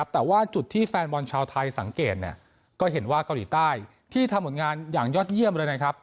แต่ว่าจุดที่แฟนบอลชาวไทยสังเกตก็เห็นว่าเกาหลีใต้ที่ทำผลงานอย่างยอดเยี่ยมเลยนะครับ